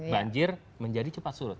banjir menjadi cepat surut